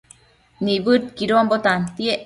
Nibëdquidonbo tantiec